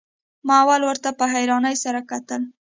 ما اول ورته په حيرانۍ سره کتل.